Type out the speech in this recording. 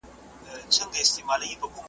ابراهيم خليل الله د خپل خوب په تنفيذ اقدام وکړ.